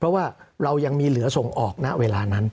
สำหรับกำลังการผลิตหน้ากากอนามัย